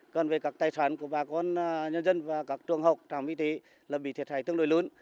còn về các tài sản của bà con nhân dân và các trường học trạm y tế là bị thiệt hại tương đối lớn